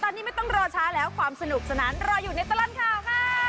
ตอนนี้ไม่ต้องรอช้าแล้วความสนุกสนานรออยู่ในตลอดข่าวค่ะ